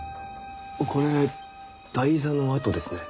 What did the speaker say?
これ台座の跡ですね。